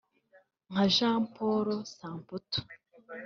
nka Jean Paul Samputu